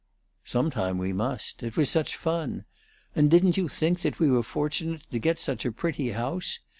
"Some time we must. It was such fun! And didn't you think we were fortunate to get such a pretty house?